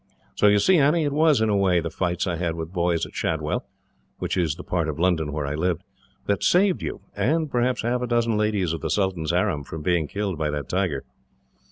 So you see, Annie, it was, in a way, the fights I had with boys at Shadwell which is the part of London where I lived that saved you, and perhaps half a dozen ladies of the sultan's harem, from being killed by that tiger.